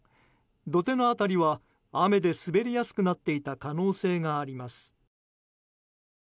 土手の辺りは雨で滑りやすくなっていた可能性があります。